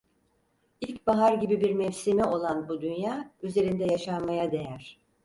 İlkbahar gibi bir mevsimi olan bu dünya, üzerinde yaşanmaya değer…